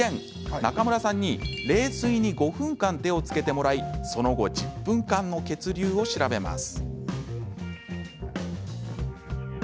中村さんに冷水に５分間、手をつけてもらいその後１０分間の血流を調べます。